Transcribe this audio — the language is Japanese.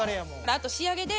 あと仕上げで。